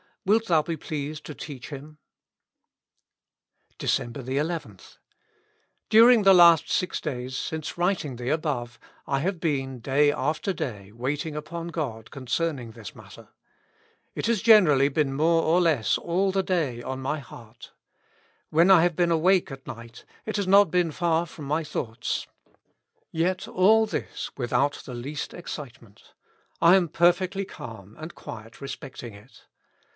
Wilt Thou be pleased to teach him ?" Decejnber 11.— During the last six days, since writing the above, I have been, day after day, waiting upon God concern ing this matter. It has generally been more or less all the day on my heart. When I have been awake at night, it has not been far from my thoughts. Yet all this without the least excitement. I am perfectly calm and quiet respecting it.